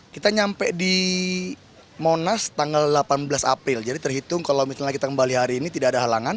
kita nyampe di monas tanggal delapan belas april jadi terhitung kalau misalnya kita kembali hari ini tidak ada halangan